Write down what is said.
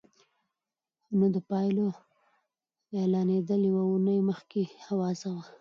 نو د پايلو اعلانېدل يوه اونۍ مخکې اوازه وه.